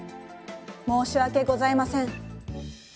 申し訳ございません。